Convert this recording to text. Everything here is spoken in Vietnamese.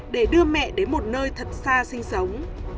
để đưa mẹ đến một nơi thật xa sinh sống